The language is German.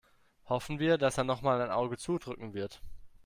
Hoffen wir, dass er nochmal ein Auge zudrücken wird.